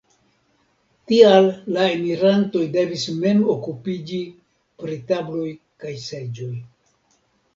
Tial la enirantoj devis mem okupiĝi pri tabloj kaj seĝoj.